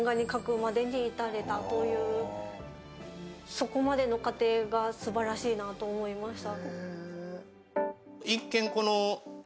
そこまでの過程がすばらしいなと思いました。